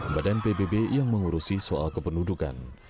badan pbb yang mengurusi soal kependudukan